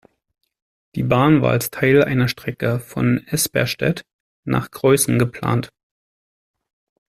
Die Bahn war als Teil einer Strecke von Esperstedt nach Greußen geplant.